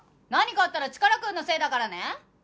何かあったらチカラくんのせいだからね！